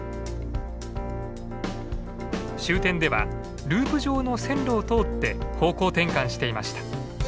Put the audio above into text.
終点ではループ状の線路を通って方向転換していました。